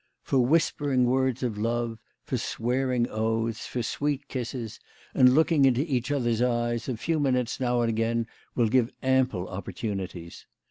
For whispering words of love, for swearing oaths, for sweet kisses and looking into each other's eyes, a few minutes now and again will give ample opportunities.